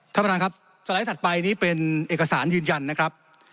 ท่านประธานครับสไลด์ถัดไปนี่เป็นเอกสารยืนยันนะครับ